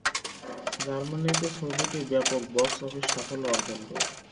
জার্মানিতে ছবিটি ব্যাপক বক্স-অফিস সাফল্য অর্জন করে।